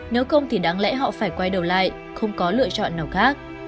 nếu không thì đáng lẽ họ phải quay đầu lại không có lựa chọn nào khác